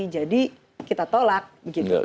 jadi kita tolak